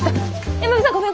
山辺さんごめん！